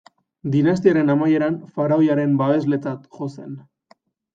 Dinastiaren amaieran faraoiaren babesletzat jo zen.